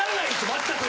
全く。